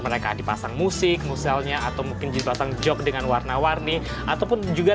mereka dipasang musik muselnya atau mungkin dipasang jog dengan warna warni ataupun juga